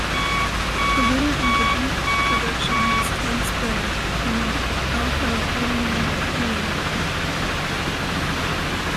The winner of the G-Production was Ted Sprigg in an Alfa Romeo Giulietta.